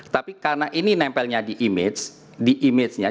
tapi karena ini nempelnya di image nya